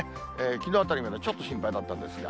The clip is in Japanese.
きのうあたりまでちょっと心配だったんですが。